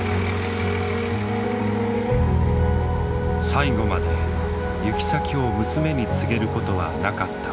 最後まで行き先を娘に告げることはなかった。